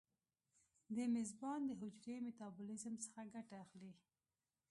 د میزبان د حجرې میتابولیزم څخه ګټه اخلي.